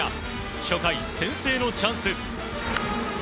初回、先制のチャンス。